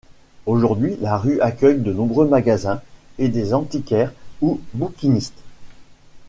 Aujourd'hui la rue accueille de nombreux magasins et des antiquaires ou bouquinistes.